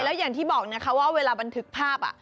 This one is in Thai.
และอย่างที่บอกเวลามันถึกภาพ